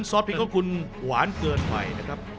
ซอสพริกของคุณหวานเกินใหม่นะครับ